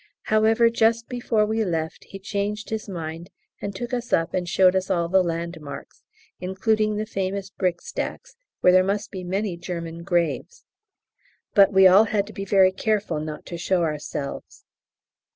However, just before we left he changed his mind and took us up and showed us all the landmarks, including the famous brick stacks, where there must be many German graves, but we all had to be very careful not to show ourselves.